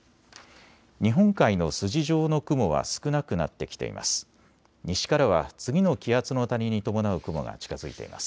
日本海の筋状の雲は少なくなってきています。